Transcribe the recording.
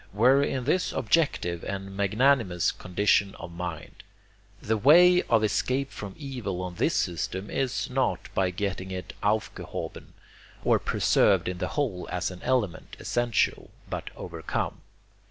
were in this objective and magnanimous condition of mind. The way of escape from evil on this system is NOT by getting it 'aufgehoben,' or preserved in the whole as an element essential but 'overcome.'